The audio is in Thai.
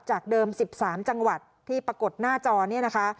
จากเดิม๑๓จังหวัดที่ปรากฏหน้าจอเนี่ยนะคะ